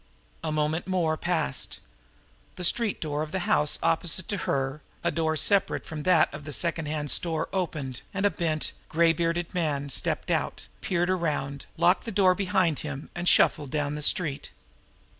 A moment more passed. The street door of the house opposite to her a door separate from that of the secondhand store opened, and a bent, gray bearded man, stepped out, peered around, locked the door behind him, and scuffled down the street.